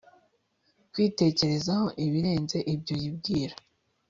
kwitekerezaho ibirenze ibyo yibwira